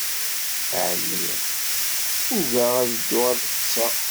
Ɛyiɣ, ugaɣ ad dduɣ ad ḍḍseɣ.